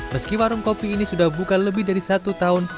meski warung kopi ini sudah buka lebih dari satu tahun